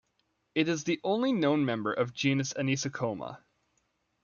It is the only known member of genus Anisocoma.